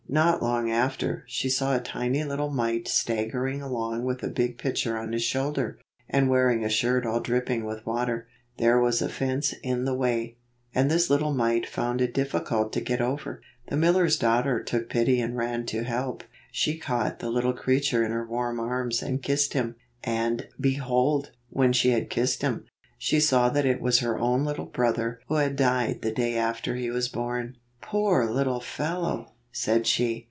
Not long after, she saw a tiny little mite stag gering along with a big pitcher on his shoulder, and wearing a shirt all dripping with water. There was a fence in the way, and this little mite found it difficult to get over. The miller's daughter took pity and ran to help. She caught the little creature in her warm arms and kissed him, and, behold, when she had kissed him, she saw that it was her own little brother who had died the day after he was born. "Poor little fellow!" said she.